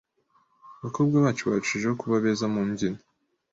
Abakobwa bacu barushijeho kuba beza mumbyino